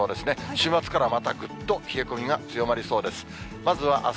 週末からはまたぐっと冷え込みが強まりそうです。